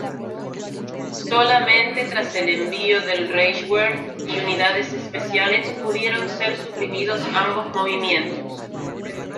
Solamente tras el envío del Reichswehr y unidades especiales pudieron ser suprimidos ambos movimientos.